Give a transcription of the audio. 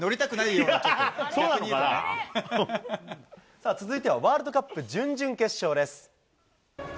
さあ、続いてはワールドカップ準々決勝です。